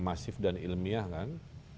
masif dan ilmiah kan